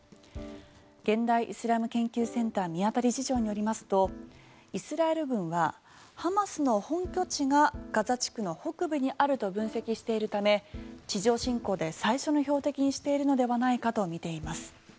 現代イスラム研究センター宮田理事長によりますとイスラエル軍はハマスの本拠地がガザ地区の北部にあると分析しているため地上侵攻で最初の標的にしているのではないかとみています。